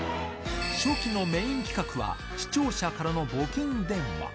初期のメイン企画は、視聴者からの募金電話。